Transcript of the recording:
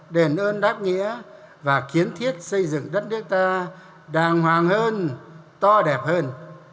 đền ơn đáp nghĩa và kiến thiết xây dựng đất nước ta đàng hoàng hơn to đẹp hơn